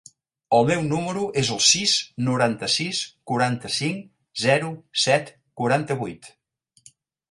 El meu número es el sis, noranta-sis, quaranta-cinc, zero, set, quaranta-vuit.